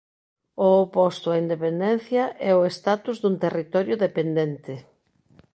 O oposto á independencia é o status dun territorio dependente.